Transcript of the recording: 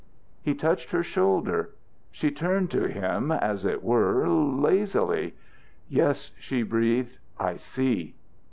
He touched her shoulder. She turned to him, as it were, lazily. "Yes," she breathed. "I see."